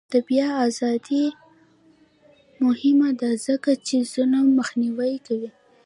د بیان ازادي مهمه ده ځکه چې ظلم مخنیوی کوي.